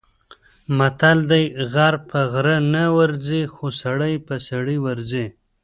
متل دی: غر په غره نه ورځي، خو سړی په سړي ورځي.